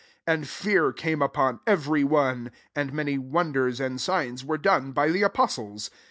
43 And fear came upon every one; and many wonders and signs were done by the apostles.